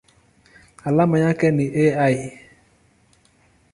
Alama yake ni Al.